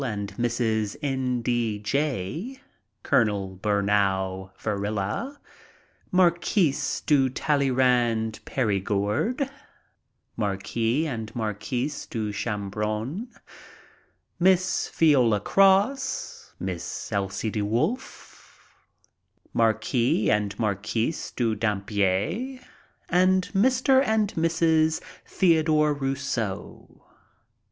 and Mrs. N. D. Jay, Col. Bunau Varila, Marquise de Talleyrand Perigord, Marquis and Marquise de Chambrun, Miss Viola Cross, Miss Elsie De Wolf, Marquis and Marquise de Dampierre, and Mr. and Mrs. Theodore Rousseau.